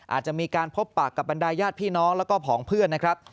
อาจจะมีการพบปากกับบรรดายญาติพี่น้องแล้วก็ผองเพื่อนนะครับ